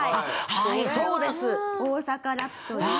はいそうです！